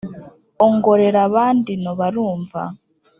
Ongorer'aband'ino barumva